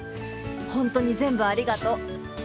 本当に全部ありがとう。